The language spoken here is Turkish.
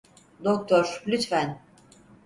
Doktor, lütfen.